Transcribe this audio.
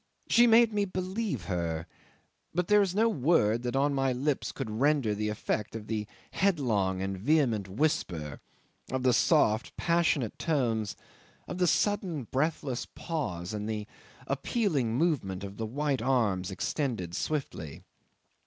She made me believe her, but there is no word that on my lips could render the effect of the headlong and vehement whisper, of the soft, passionate tones, of the sudden breathless pause and the appealing movement of the white arms extended swiftly.